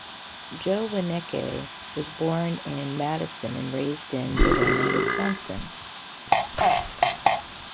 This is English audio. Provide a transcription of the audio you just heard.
Joe Wineke was born in Madison and raised in Verona, Wisconsin.